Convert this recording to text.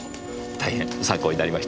大変参考になりました。